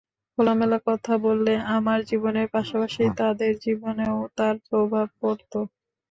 খোলামেলা কথা বললে আমার জীবনের পাশাপাশি তাঁদের জীবনেও তার প্রভাব পড়ত।